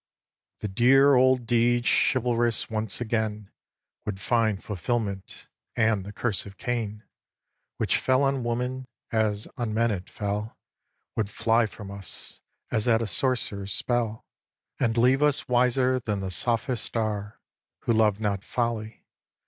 viii. The dear old deeds chivàlrous once again Would find fulfilment; and the curse of Cain Which fell on woman, as on men it fell, Would fly from us, as at a sorcerer's spell, And leave us wiser than the sophists are Who love not folly.